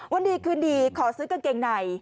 วันนี้คืนนี้ขอซื้อกางเกงไหน